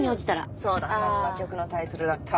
そうだまんま曲のタイトルだった。